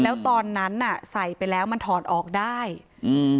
แล้วตอนนั้นน่ะใส่ไปแล้วมันถอดออกได้อืม